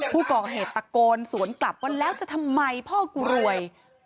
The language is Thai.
ผู้ก่อเหตุตะโกนสวนกลับว่าแล้วจะทำไมพ่อกูรวย